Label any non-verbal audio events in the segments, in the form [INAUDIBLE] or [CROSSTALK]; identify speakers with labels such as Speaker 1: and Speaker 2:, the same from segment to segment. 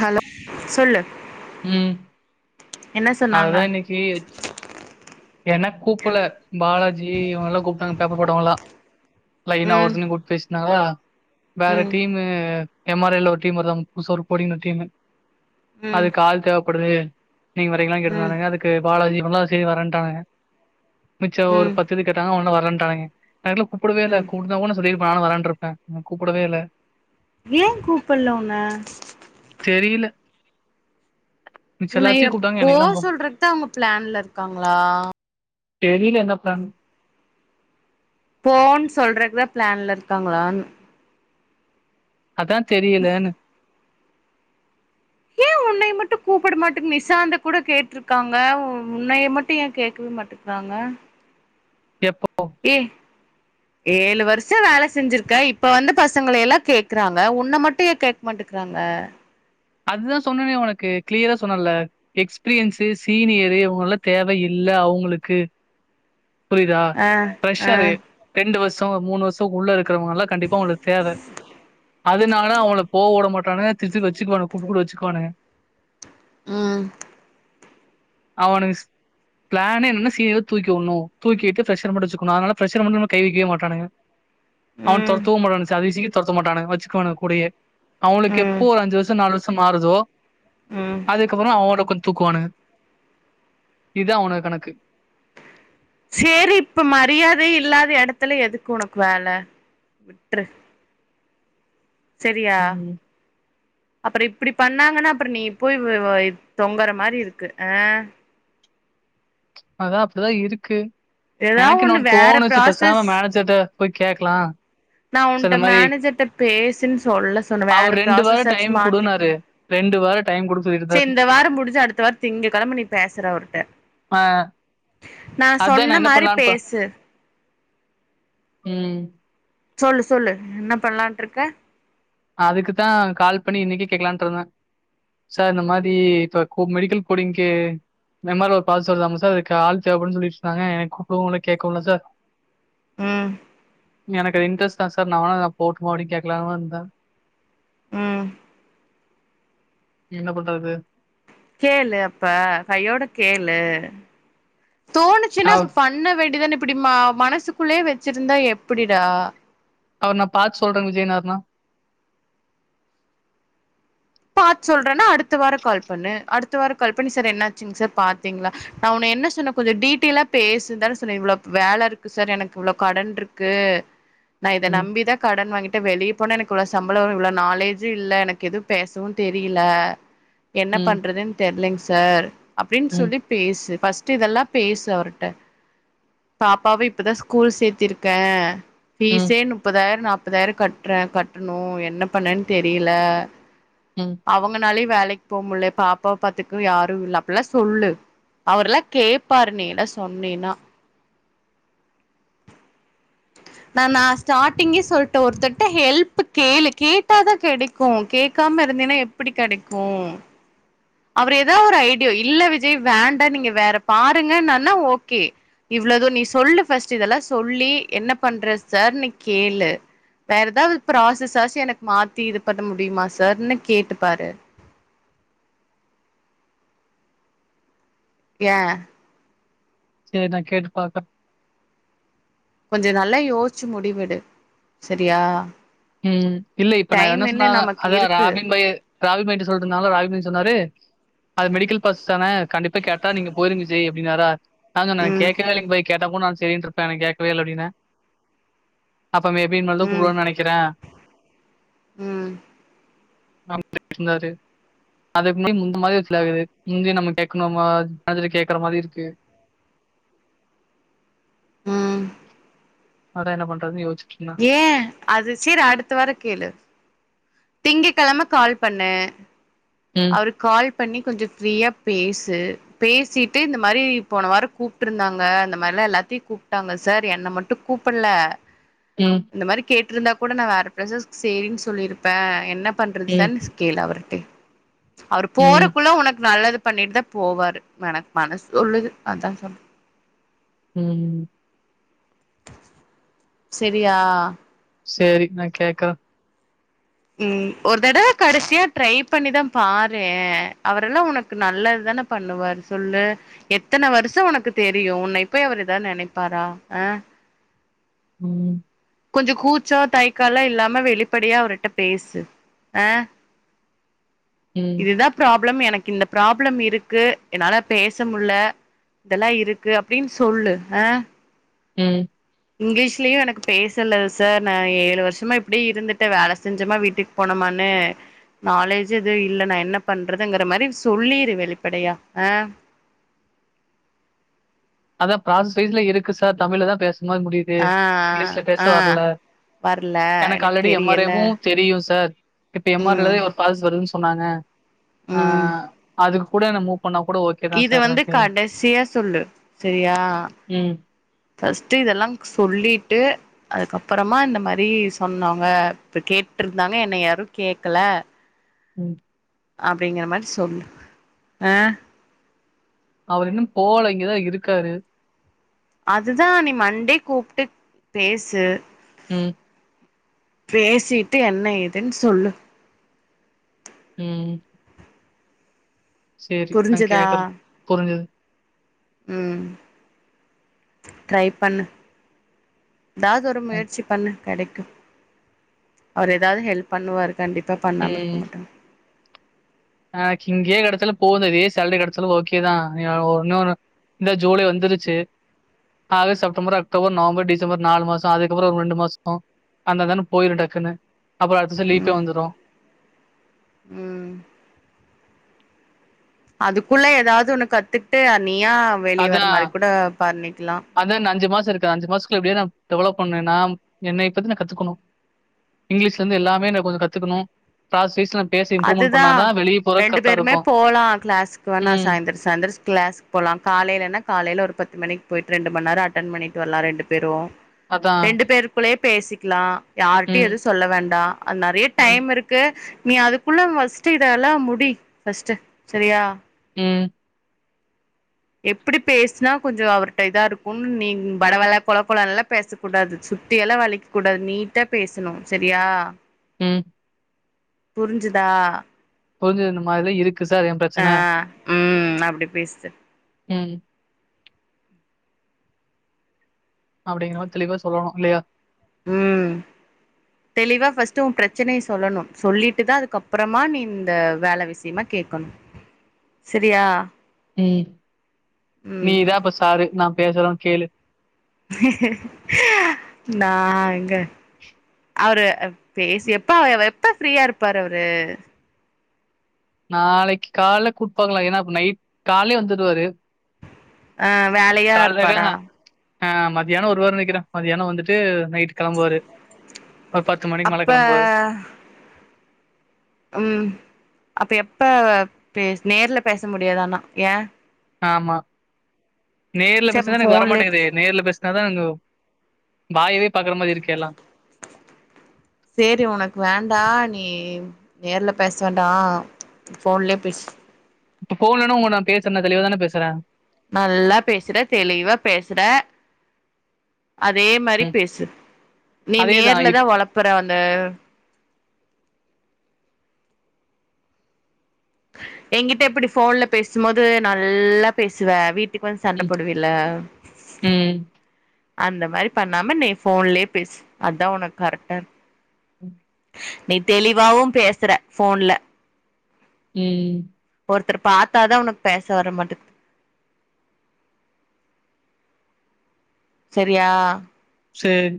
Speaker 1: Hello சொல்லு
Speaker 2: உம்
Speaker 1: என்ன சொன்னாங்க
Speaker 2: அதான் இன்னைக்கு என்ன கூப்பட்ல பாலாஜி இவங்கல்லாம் கூப்ட்டாங்க பேப்பர் போட்டவங்களாம் லைனா
Speaker 1: ம்
Speaker 2: ஒவ்வொருத்தனயு கூப்ட்டு பேசனாங்களா வேற
Speaker 1: ம்
Speaker 2: டீமு எம்ஆர்ல ஒரு டீம் வருதான் புதுசா ஒரு போடிங்க டீமு
Speaker 1: ம்
Speaker 2: அதுக்கு ஆள் தேவைப்படுது நீங்க வரீங்களா
Speaker 1: ம்
Speaker 2: கேட்டுறந்தானுங்க அதுக்கு பாலாஜி இவல்லாம் சரி வர மிச்ச ஒரு
Speaker 1: ம்
Speaker 2: பத்துது கேட்டாங்க அவனுங்க வரன்டாங்க தெரில கூப்பிடவேல்ல
Speaker 1: ம்
Speaker 2: கூபிட்டா கூட நாசொல்லிருப்பேன் நானு வரேன்னுருப்பேன் கூப்பிடவேல்ல
Speaker 1: ஏன் கூப்பல உன்ன
Speaker 2: தெரியில
Speaker 1: உனய போக சொல்றத்தான் அவங்க பிளான்ல இருக்காங்களா
Speaker 2: தெரியில என்ன பிளான்
Speaker 1: போன்னு சொல்றக்குதா பிளான்ல இருக்காங்களான்
Speaker 2: அதான் தெரியலன்னு
Speaker 1: ஏன் உனய மட்டும் கூப்பிட மாட்டேங்க நிசாந்த கூட கேட்டுருக்காங்க உன்னைய மட்டும் ஏன் கேக்கவே மாட்டேக்கறாங்க
Speaker 2: எப்போ
Speaker 1: ஏ ஏழு வருஷம் வேல செஞ்சிருக்க இப்ப வந்து பசங்கள எல்லாம் கேக்குறாங்க உன்ன மட்டும் ஏ கேட்க மாட்டேக்கறாங்க
Speaker 2: அதுதான் சொன்னனே உனக்கு கிளியரா சொன்னல எக்ஸ்பீரியன்ஸு சீனியரு இவங்க எல்லாம் தேவ இல்ல அவங்களுக்கு புரிதா
Speaker 1: ஆ
Speaker 2: ப்ரெஷரு
Speaker 1: ஆ
Speaker 2: ரெண்டு வருச வருஷ மூணு வருஷ உள்ள இருக்கு க்கிறவங்க எல்லாம் கண்டிப்பா அவங்களுக்கு தேவ அதுனால அவங்கள போக விட மாட்டானுக திருப்பி வச்சுக்குவானும் கூப்ட்டு கூப்ட்டு வச்சுக்குவானுக
Speaker 1: உம்
Speaker 2: அவனுங்க பிளானே என்னன்னா சீனியர தூக்கி விடணும் தூக்கிட்டு ஃப்ரஷர மட்டு வச்சுக்கணும் அதனால ஃப்ரஷர மட்டும் கைவைக்கவே மாற்றானுக அவன்
Speaker 1: ம்
Speaker 2: தொரத்தவும் மாட்டானுக சதீசுக்கு தொரத்தவு மாட்டானுங்க வச்சுக்குவாணு கூடயே அவங்களுக்கு
Speaker 1: ம்
Speaker 2: எப்போ ஒரு அஞ்சு வருஷம் நாலு வருஷம் மாறுதோ
Speaker 1: ம்
Speaker 2: அதுக்கப்புறம் அவனோட கொஞ்சம் தூக்குவானுக இதான் அவனுவ கணக்கு
Speaker 1: சேரி இப்ப மரியாதை இல்லாத இடத்துல எதுக்கு உனக்கு வேல விட்டுரு சரியா
Speaker 2: ம்.
Speaker 1: அப்புறம் இப்படி பண்ணாங்கன்னா அப்புறம் நீ போய் தொங்குற மாதிரி இருக்கு அஹ்
Speaker 2: அதான் அப்படிதான் இருக்கு
Speaker 1: ஏதா
Speaker 2: எனக்கு
Speaker 1: ஒண்ணு
Speaker 2: இன்னொன்னு
Speaker 1: வேற
Speaker 2: தோணுச்சு பேசாம மேனேஜர்ட்ட போய் கேக்கலாம்
Speaker 1: நான் உன்ட்ட மேனேஜர்ட்ட பேசுன்னு சொல்ல சொன்னேன் வேற
Speaker 2: அவரு வாரம் டைம்
Speaker 1: ப்ராசஸ்ச்சும்
Speaker 2: குடுன்னாரு.
Speaker 1: மாத்திக்கணும்
Speaker 2: வாரம் டைம் குடுக்க
Speaker 1: சரி
Speaker 2: சொல்லிருந்தாரு.
Speaker 1: இந்த வாரம் முடிஞ்சு அடுத்த வாரம் திங்க கிழம நீ பேசுற அவிர்ட்ட
Speaker 2: அ
Speaker 1: நான் சொன்ன மாதிரி பேசு
Speaker 2: உம்
Speaker 1: சொல்லு சொல்லு என்ன பண்ணலான்ட்டு இருக்க
Speaker 2: அதுக்குதான் கால் பண்ணி இன்னைக்கே கேக்கலான்ட்டு இருந்தேன் சார் இந்த மாரி இப்ப கூப் மெடிக்கல் கோடிங்க்கு இந்த மாரி ஒரு பதில் சொல்லலாம்ல சார் அதுக்கு ஆள் தேவைப்படும்னு சொல்லிட்டு இருந்தாங்க என்னை கூப்பிடவும் இல்லை கேட்கவும் இல்லை சார்
Speaker 1: ம்
Speaker 2: எனக்கு அது இன்ட்ரஸ்ட் தான் சார் நான் வேணும்னா போகட்டுமா அப்படினு கேக்கலானு இருந்தேன்
Speaker 1: ம்
Speaker 2: என்ன பண்றது
Speaker 1: கேளு அப்ப கையோட கேளு தோணுச்சுன்னா
Speaker 2: அவ்
Speaker 1: அப்ப பண்ண வேண்டியதானே இப்படி ம மனசுக் க்குள்ளேயே வச்சிட்ருந்தா எப்படிடா
Speaker 2: அவர் நான் பார்த்து சொல்றேன் விஜய்னார்னா
Speaker 1: பார்த்து சொல்றேன்னா அடுத்த வாரம் கால் பண்ணு அடுத்த வாரம் கால் பண்ணி சார் என்னாச்சுங்க சார் பாத்தீங்களா நான் உன்னை என்ன சொன்னேன் கொஞ்சம் டீட்டெயிலா பேசுடான்னு சொன்னேன் இவ்வளவு வேலை இருக்கு சார் எனக்கு இவ்வளவு கடன் இருக்கு நான் இதை
Speaker 2: ம்,
Speaker 1: நம்பிதான் கடன் வாங்கிட்டு ட்டு வெளிய போனா எனக்கு இவ்வளவு சம்பளம் இவ்வளவு நாலேஜு இல்லை எனக்கு எதுவும் பேசவும் தெரியலை என்ன
Speaker 2: ம்,
Speaker 1: பண்றதுன்னு தெரிலைங்க சார் அப்படின்னு
Speaker 2: ம்,
Speaker 1: சொல்லி பேசு ஃபர்ஸ்ட் ட்டு இதெல்லா பேசு அவருட்ட பாப்பாவு இப்பதா ஸ்கூல் சேத்திருக்க
Speaker 2: ம்,
Speaker 1: ஃபீஸே நுப்பதாயர நாப் பதாயர கட்றே கட்டுணு என்ன பண்ணன் தெரில
Speaker 2: ம்.
Speaker 1: அவங்கனாலயு வேலைக் போக முடில பாப்பாவ பாத்துக்கவு யாரு இல்ல அப்பில்லா சொல்லு அவர்ல்லா கேப்பாரு நீ எல்லா சொன்னின்னா நா நா ஸ்டார்ட்டிங்கே சொல்ட்ட ஒருத்தர்ட்ட ஹெல்ப் கேளு கேட்டாதா கெடைக்கு கேக்காம இருந்தின்னா எப்புடி கெடைக்கு அவரு எதோ ஒரு ஐடியோ இல்ல விஜய் வேண்டா நீங்க வேற பாருங்கன்னான்னா ஓகே இவ்ளோ து நீ சொல்லு ஃபர்ஸ்ட்டு இதெல்லா சொல்லி என்ன பண்றது சார்னு கேளு வேற எதாவுது ப்ராசஸ் ஆச்சி எனக்கு மாத்தி இது பண்ண முடியுமா சார்னு கேட்டு பாரு ஏ
Speaker 2: சேரி நா கேட்டு பாக்கற
Speaker 1: கொஞ்ச நல்லா யோசிச்சு முடிவெடு செரியா
Speaker 2: ம் இல்ல இப்ப நா என்ன சொன்னா
Speaker 1: நமக்கு
Speaker 2: அதா
Speaker 1: இருக்கு
Speaker 2: ராபின் பாயி ராபின் பாயிட்ட சொல்ட்டனால ராபின் பாய் சொன்னாரு அது மெடிக்கல் பாஸ் தான கண்டிப்பா கேட்டா நீங்க போயிருங்க விஜய் அப்டின்னாரா நா சொன்னே
Speaker 1: ம்
Speaker 2: கேக்கவே இல்லைங் பாய் கேட்டா கூட நா செரின்ட்ருப்ப என கேக்கவே இல்ல அப்டின்ன அப்ப மே பி இனிமேல்தா
Speaker 1: ம்
Speaker 2: கூப்புடுவானு நெனைக் க
Speaker 1: ம்
Speaker 2: ஆமா வச்சிருந்தாரு அதுக்கு முன்னாடி முந்து மாதிரி இல்லை அவரு முந்தி நம்ம கேட்கணுமா கேக்குற மாதிரி இருக்கு
Speaker 1: ம்
Speaker 2: அதான் என்ன பண்றதுன்னு யோசி
Speaker 1: ஏன் அது சேரி அடுத்த வார கேளு திங்கக்கெழம கால் பண்ணே
Speaker 2: ம்,
Speaker 1: அவருக்கு கால் பண்ணி கொஞ்சோ ஃப்ரீயா பேசு பேசிட்டு இந்த மாரி போன வார கூப்ட்டுருந்தாங்க அந்த மாதிரிலா எல்லாத்தையு கூப்ட்டாங்க சார் என்னை மட்டு கூப்பிட்ல
Speaker 2: ம்,
Speaker 1: இந்த மாதிரி கேட் இருந்தா கூட நா வேற ப்ரஸ்சஸ்க் சேரின்னு சொல்லிருப் ப்ப என்ன பண்றது
Speaker 2: ம்,
Speaker 1: சன் ஸ்கேல் அவர ட்டு அவரு
Speaker 2: ம்,
Speaker 1: போறக்குள்ள உனக்கு நல்லது பண்ணிட்டு தா போவாரு எனக் மனசு சொல்லுது அதா சொன்ன
Speaker 2: உம்
Speaker 1: செரியா
Speaker 2: சேரி நா கேக்குற
Speaker 1: ம் ஒரு தடவ கடைசியா ட்ரை பண்ணிதா பாரே அவரெல்லா உனக்கு நல்லது தான பண்ணுவாரு சொல்லு எத்தன வருஷோ உனக்கு தெரியு உன்னைய போய் அவர் எதாவது நெனைப்பாரா ஆ
Speaker 2: ம்
Speaker 1: கொஞ்சோ கூச்சோ தையக்கலா இல்லாம வெளிப்படியா அவருட்ட பேசு ஆ
Speaker 2: ம்,
Speaker 1: இதுதா ப்ராப் ப்ளம் எனக்கு இந்த ப்ராப்ளம் இருக்கு என்னால பேசமுல்ல இதெல்லா இருக்கு அப்டின்னு சொல்லு ஆ
Speaker 2: ம்
Speaker 1: இங்கிலீஷ்லியு எனக்கு பேசல சார் நா ஏழு வருஷமா இப்டியே இருந்துட்டே வேல செஞ்சோம விட்டுக்கு போனோமான்னு நாலேஜ் எதுவு இல்ல நா என்ன பண்றதுங்கிற மாரி சொல்லிரு வெளிப்படையா ஆ
Speaker 2: அதா ப்ராசஸ் வைஸ்ல இருக்கு சார் தமிழ்ல தா பேஸ் ம முடியுது
Speaker 1: ஆ
Speaker 2: இங்கிலீஷ்ல பேச
Speaker 1: ஆ
Speaker 2: வரல
Speaker 1: வர்ல
Speaker 2: எனக்கு ஆல்ரெடி எம் ஆர்
Speaker 1: தெரியல
Speaker 2: ஐவு தெரியு சார் இப்ப எம் ஆர்
Speaker 1: ம்
Speaker 2: ஐலவே ஒரு [UNINTELLIGIBLE] வருதுங்க சார் சொன்னாங்க ஆ அதுக் கூட நம்மோ
Speaker 1: இத வந்து கடைசியா சொல்லு செரியா
Speaker 2: ம்,
Speaker 1: ஃபஸ்ட்டு இதெல்லா சொல்லிட்டு அதுக்கப்பறமா இந்த மாரி சொன்னாங்க இப்ப கேட்டிருந்தாங்க என்னைய யாரு கேக்கல
Speaker 2: ம்
Speaker 1: அப்டிங்கற மாரி சொல்லு ஆ
Speaker 2: அவரு இன்னு போல இங்கதா இருக்காரு
Speaker 1: அதுதா நீ மண்டே கூப்ட்டு பேசு
Speaker 2: உம்
Speaker 1: பேசிட்டு என்ன ஏதுன்னு சொல்லு
Speaker 2: ம் ம் செரி நா
Speaker 1: புரிஞ்சுதா
Speaker 2: கேக்குறே புரிஞ்சிது
Speaker 1: ம் ட்ரை பண்ணு எதாது ஒரு
Speaker 2: ம்,
Speaker 1: முயற்சி பண்ணு கெடைக் கு அவர் ஏதாவது ஹெல்ப் பண்ணுவாரு கண்டிப்பா பண்ணாம இருக்க
Speaker 2: ம்.
Speaker 1: மாட்டாங்
Speaker 2: எனக்கு இங்கேயே கெடச்சாலு போது இதே சாலரி கெடச்சாலு ஓகேதா [UNINTELLIGIBLE] இன்னொரு இந்த ஜூலை வந்துருச்சு August September October November December நாலு மாசோ அதுக்கப்புறோ ஒரு ரெண்டு மாசோ அந்தாஅந்தானே போயிரு டக்குனு அப்றோ அடுத்த வருசோ லீவுக்கே
Speaker 1: ம்
Speaker 2: வந்துறு
Speaker 1: ம் அதுக்குள்ள எதாவது ஒன்னு கத்துக்ட்டு நீயா வெளிய வர்ர மாரி கூட பாரு நீ
Speaker 2: அத இன்னு அஞ்சு மாசோ இருக்குற அஞ்சு மாசத்துக்குள்ள எப்டியா நா டெவலப் பண்னு நா என்னை பத்தி கத்துக்கணு இங்கிலீஷ்லந்து எல்லாமே கொஞ்சோ கத்துக்கணு கிளாஸ் வைஸ்ல
Speaker 1: அதுதா ரெண்டு பேருமே
Speaker 2: இருக்கும்.
Speaker 1: போலா கிளாஸுக்கு வேணா
Speaker 2: ம்.
Speaker 1: சாயந்தரோ சாயந்திரோ கிளாஸ்கு போலா காலையிலனா காலையில ஒரு பத்து மணிக்கு போயிட்டு ரெண்டுமண் நேரோ அட்டன் பண்ணிட்டு வர்லா ரெண்டு பேரு
Speaker 2: அதான்.
Speaker 1: ரெண்டு பேருக்குள்ளயே பேசிக்கலா யாரிட்டையு
Speaker 2: ம்,
Speaker 1: எது சொல்ல வேண்டா அது நெறய
Speaker 2: ம்,
Speaker 1: டைம் இருக்கு நீ அது குள்ள ஃபஸ்ட் இதெல்லா முடி ஃபஸ்ட் செரியா
Speaker 2: உம்
Speaker 1: எப்டி பேசினா கொஞ்சோ அவர்ட்ட இதா இருக்குனு நீ வழவழ கொல கொல கொலன்னுல்லா பேச கூடாது சுத்தி எல்லா வளைக்க கூடாது நீட்டா பேசணு செரியா
Speaker 2: உம்
Speaker 1: புரிஞ்சுதா
Speaker 2: புரிஞ்சுதுருந்த மாரி இருக்கு சார் எ
Speaker 1: ஆ
Speaker 2: பிரச்சன
Speaker 1: ம் அப்டி பேசு
Speaker 2: அப்படிங்கிற‌‌ மாரி தெளிவா சொல்லணு இல்லயா
Speaker 1: உம் தெளிவா ஃர்ஸ்ட் உன் பிரச்சனைய சொல்லணு சொல்லிட்டுதா அதுக்கப்புறமா நீ இந்த வேல விஷியமா கேட்கணு செரியா
Speaker 2: உம் நீதா இப்ப சாரு நா பேசுறோ கேளு
Speaker 1: நா எங்க அவரு பேசி எப்ப எப்ப ஃப்ரீயா இருப்பாரு அவரு
Speaker 2: நாளைக்கு காலைல கூப்ட்டு பாக்கலா ஏனா இப்ப நைட் காலையே வந்துடுவாரு
Speaker 1: அஹ் வேலையா இருப்பாரா
Speaker 2: ஆஹ் மதியானோ வருவார்னு நெனைக்கிற மதியானோ வந்துட்டு நைட் கிளம்புவாரு ஒரு பத்து மணிக்கு மேல
Speaker 1: அப்ப
Speaker 2: கிளம்புவாரு
Speaker 1: உம் அப்ப எப்ப பேஸ் நேர்ல பேச முடியாது ஆனா ஏ
Speaker 2: ஆமா நேர்ல
Speaker 1: சரி அப்ப
Speaker 2: பேசினா எனக்கு
Speaker 1: ஃபோன்லயே
Speaker 2: வரமாட்டேங்குதே நேர்ல பேசு அதா அங்க வாயவே பாக்குற மாரி இருக்கூ எல்லா
Speaker 1: சரி உனக்கு வேண்டா நீ நேர்ல பேச வேண்டா போன்லயே பேசு
Speaker 2: இப்ப போன்லனா உன் கூட நா பேசற தெளிவாதானே பேசுற
Speaker 1: நல்லா பேசற தெளிவா பேசற அதே மாரி பேசு நீ
Speaker 2: அதேதான் இப்
Speaker 1: நேர்லதா உளப்பற அந்த எங்கிட்ட இப்பிடி ஃபோன்ல பேசும்போது நல்லா பேசுவ வீ ட்டுக் வந் சண்ட
Speaker 2: ம்,
Speaker 1: போடுவ இல்ல
Speaker 2: ம்,
Speaker 1: அந்த மாரி பண்ணாம நீ ஃபோன்லியே பேசு அத்தா உனுக் கரெக்டா இரு
Speaker 2: உம்
Speaker 1: நீ தெளிவாவும் பேசற ஃபோன்ல
Speaker 2: உம்
Speaker 1: ஒருத்தர பாத்தாதா உனக் பேச வர மாட்டக்து சரியா
Speaker 2: சேரி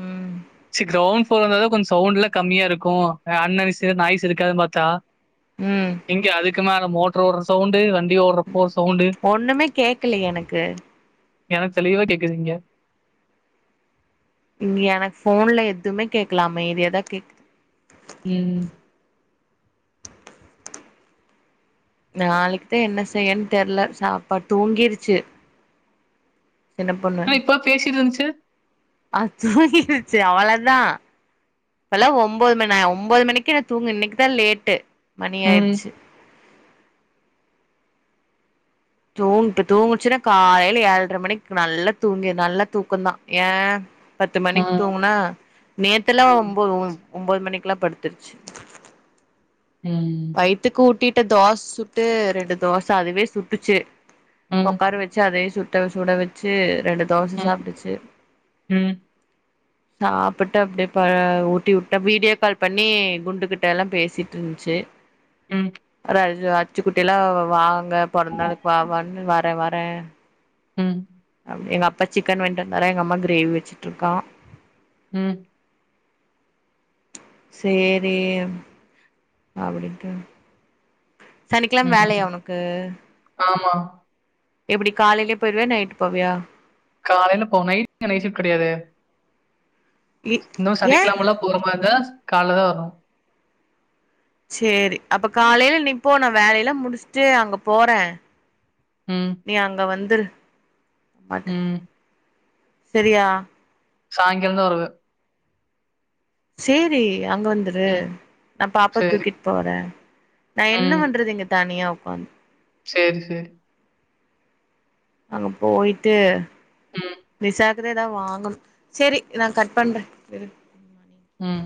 Speaker 1: ம்
Speaker 2: ச கிரௌண் ப்ளோர்ரா இருந்தாதா கொஞ்ச சவுண்ட்ல்லா கம்மியா இருக்கு அ அன்நெச நாய்ஸ் இருக்காதுன் பாத்தா
Speaker 1: ம்
Speaker 2: இங்க அதுக்கு க்கு மேல மோட்ரு ஒட்ற சவுண்ட்டு வ
Speaker 1: ஒன்னுமே கேக்கல எனக்கு
Speaker 2: எனக் தெளிவா கேக்குது இங்க
Speaker 1: இங்க எனக் ஃபோன்ல எதுமே கேக்ல அமைதியாதா கேக்குது
Speaker 2: உம்
Speaker 1: நாளைக்த்தா என்ன செய்யன் தெர்ல சாப்பா தூங்கிருச்சு
Speaker 2: அ இப்ப பேசிட்டு இருஞ்ச்சு
Speaker 1: அ தூங்கிடுச்சு அவ்ளதா இப்பல்லா ஒம்பது ம நா ஒம்பது மணிக்கே‌ ந தூங்கு இன்னிக்கு தா லேட்டு
Speaker 2: ம்.
Speaker 1: மணியாய்ட்ச்சு தூங்ட்டு தூங்குச்சுனா காலையில ஏழ்ரை மணிக்கு நல்லா தூங்கி நல்லா தூக்கந்தா ஏ பத்து
Speaker 2: ஆ.
Speaker 1: மணிக் தூங்குனா நேத்தலா
Speaker 2: ம்.
Speaker 1: ஒம்போது ஒ ஒன்போது மணி லாப்படுத்துருச்சு
Speaker 2: ம்.
Speaker 1: வய்த்துக்கு ஊட்டிட் ட்ட தோஸ் சுட்டு ரெண்டு தோசை அதுவே சுட்டுச்சு
Speaker 2: ம்.
Speaker 1: ஒக்காார வெச்சு அதயே சு ட்டத சுட வெச்சு ரெண்டு தோச
Speaker 2: ம்.
Speaker 1: சாப்டுச்சு
Speaker 2: ம்.
Speaker 1: சாப்புட்டு அப்டே ப்ப ஊட்டி உட்ட வீடியோ கால் பண்ணி குண்டுகிட்ட எல்லா பேசிட்ருஞ்ச்சு
Speaker 2: உம்
Speaker 1: அத் அச்சுக்குட்டியெல்லா வா ங்க பொறந்த நாளுக் வா வான்னு வர வர ரே
Speaker 2: உம்
Speaker 1: எங்க அப்பா சிக்கன் வாய்ங்ட்டு வந்தாரா இருந்தாரா எங்க அம்மா கிரேவி வெச்சுட்ருக்கா
Speaker 2: உம்
Speaker 1: சேரி அப்டின்ட்டு சனிக்கெழம வேலயா
Speaker 2: ம்.
Speaker 1: உனக்கு
Speaker 2: [INAUDIBLE]
Speaker 1: எப்டி காலைலே போயிடுவியா நைட்டு போவியா
Speaker 2: காலையில போ நைட்டு ங்க நைட் ஷிஃப்ட் கெடையாது
Speaker 1: இ
Speaker 2: இன்னு
Speaker 1: ஏ
Speaker 2: சனிக்கெழமலா போற மாரி [UNINTELLIGIBLE] கால்ல தா வரு
Speaker 1: சேரி அப்ப காலைல நீ போ நா வேலைலா முடிச்சுட்டு அங்க போறே
Speaker 2: ம்,
Speaker 1: நீ அங்க வந்து துரு
Speaker 2: ம்
Speaker 1: செரியா
Speaker 2: சாயங்கால தா வருவே
Speaker 1: சேரி அங்க வந்துரு
Speaker 2: ம்,
Speaker 1: நா பாப்பா
Speaker 2: சரி.
Speaker 1: தூக்கிட் போறே நா என்ன பண்றது இங்க தனியா [INAUDIBLE]
Speaker 2: சேரி சேரி
Speaker 1: அங்க போயிட்டு
Speaker 2: ம்,
Speaker 1: விசா தா வாங்கணு சேரி நா கட் பண்றே
Speaker 2: ம்